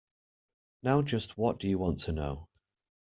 Now just what do you want to know.